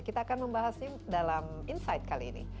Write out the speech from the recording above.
kita akan membahasnya dalam insight kali ini